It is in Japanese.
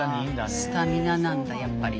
スタミナなんだやっぱり。